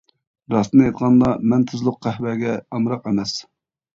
راستىنى ئېيتقاندا، مەن تۇزلۇق قەھۋەگە ئامراق ئەمەس.